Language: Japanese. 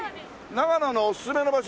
長野のおすすめの場所